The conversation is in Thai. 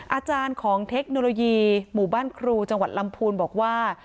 อาจารย์ของเทคโนโลยีหมู่บ้านครูจังหวัดลำพูนบอกว่า